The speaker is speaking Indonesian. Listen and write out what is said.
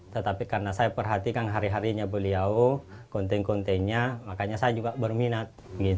tetapi karena saya perhatikan hari harinya beliau konten kontennya makanya saya juga berminat